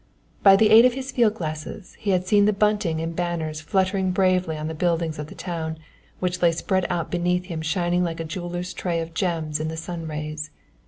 By the aid of his field glasses he had seen the bunting and banners fluttering bravely on the buildings in the town, which lay spread out beneath him shining like a jeweller's tray of gems in the sun rays.